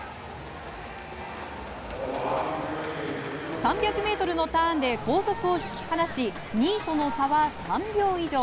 ３００ｍのターンで後続を引き離し２位との差は３秒以上。